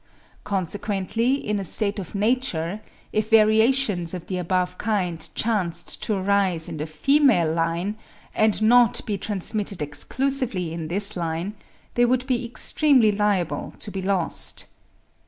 Consequently in a state of nature, if variations of the above kind chanced to arise in the female line, and to be transmitted exclusively in this line, they would be extremely liable to be lost.